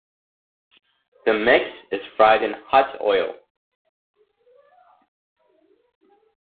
The mix is fried in hot oil.